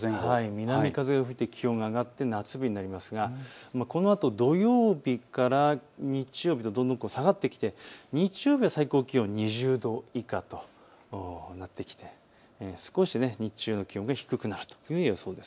南風が出て気温が上がって夏日になりますが、このあと土曜日から日曜日とどんどん下がってきて日曜日は最高気温２０度以下となってきて、少し日中の気温が低くなるという予想です。